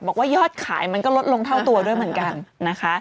บอกว่ายอดขายมันก็ลดลงเท่าตัวด้วยเหมือนกันนะคะ